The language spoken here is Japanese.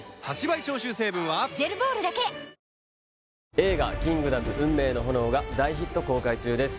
映画「キングダム運命の炎」が大ヒット公開中です